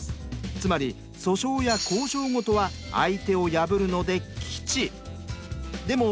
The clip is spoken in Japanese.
つまり訴訟や交渉ごとは相手を破るので「吉」。